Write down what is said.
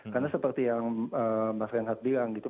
karena seperti yang mbak senat bilang gitu